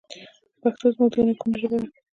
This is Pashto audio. پښتو زموږ د نیکونو ژبه ده.